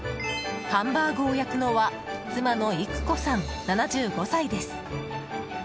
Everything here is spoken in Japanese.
ハンバーグを焼くのは、妻の郁古さん、７５歳です。